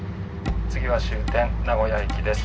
次は終点名古屋駅です。